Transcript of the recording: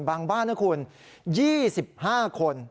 บ้านนะคุณ๒๕คน